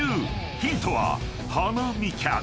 ［ヒントは花見客］